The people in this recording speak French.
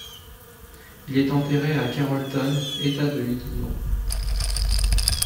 Il est enterré à Carrollton, État de l'Illinois.